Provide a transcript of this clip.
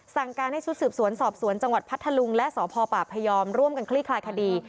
สั่งการให้ชุดสื่นสวนอาทิตย์สอบสวนจังหวัดพัทธาลุงและสพพยอมร์ร่วมกันคลีกรายคดี